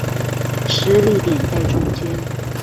施力點在中間